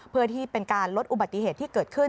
เพื่อที่เป็นการลดอุบัติเหตุที่เกิดขึ้น